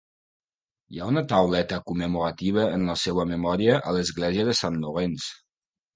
Hi ha una tauleta commemorativa en la seva memòria a l'església de Saint Lawrence.